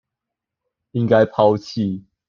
應該拋棄